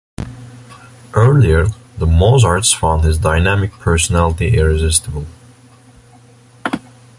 Earlier, the Mozarts found his dynamic personality irresistible.